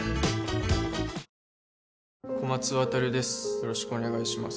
よろしくお願いします